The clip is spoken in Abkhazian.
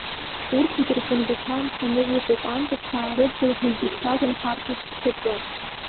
Урҭ зегь рхәынгақәа нханы иҟоуп, анкьа Ҭраа рыдгьыл ҳәа изышьҭаз анхарҭа ҳәсҭаҿы.